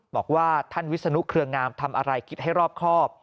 บอกว่าท่านวิศนุเครืองามทำอะไรคิดให้รอบครอบ